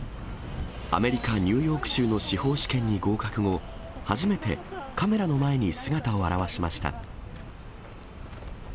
アメリカ・ニューヨーク州の司法試験に合格後、初めてカメラの前に姿を現しました。